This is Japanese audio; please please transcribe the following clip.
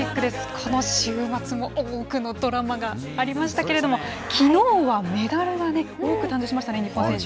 この週末も多くのドラマがありましたけれども、きのうはメダルが多く誕生しましたね、日本選手。